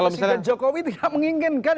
presiden jokowi tidak menginginkan